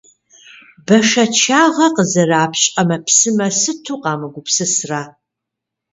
Бэшэчагъэ къызэрапщ ӏэмэпсымэ сыту къамыгупсысрэ.